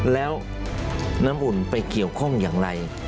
แล้วน้ำอุ่นไปเกี่ยวข้องอย่างไร